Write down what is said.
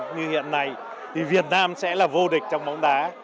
như hiện nay thì việt nam sẽ là vô địch trong bóng đá